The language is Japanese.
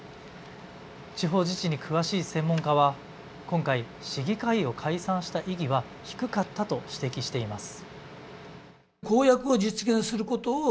地方自治に詳しい専門家は今回、市議会を解散した意義は低かったと指摘しています。